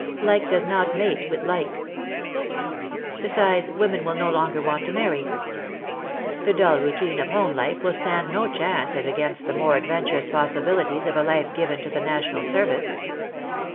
Like does not mate with like. Besides, women will no longer want to marry. The dull routine of home life will stand no chance as against the more adven turous possibilities of a life given to the national service."